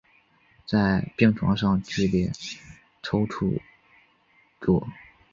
在病床上剧烈扭曲著